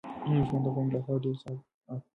ماشوم د غونډۍ له خوا په ډېر سرعت راغی.